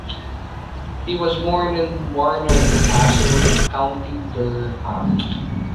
He was born in Barnard Castle, County Durham.